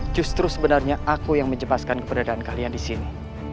justru sebenarnya aku yang menjebaskan keberadaan kalian di sini